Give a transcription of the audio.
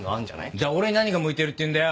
じゃあ俺に何が向いてるっていうんだよ。